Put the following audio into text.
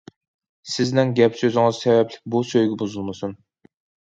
سىزنىڭ گەپ- سۆزىڭىز سەۋەبلىك بۇ سۆيگۈ بۇزۇلمىسۇن.